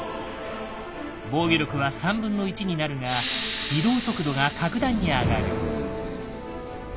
防御力は３分の１になるが移動速度が格段に上がる。